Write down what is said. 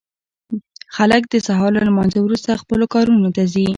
خلک د سهار له لمانځه وروسته خپلو کارونو ته ځي.